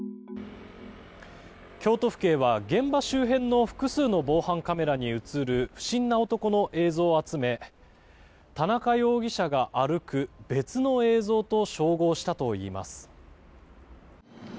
京都府警は、現場付近の複数の防犯カメラに映る不審な男の映像を集め田中容疑者が歩く別の映像と照合したといいます。